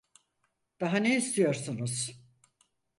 Daha ne istiyorsunuz?